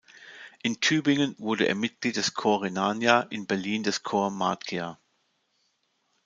In Tübingen wurde er Mitglied des Corps Rhenania, in Berlin des Corps Marchia.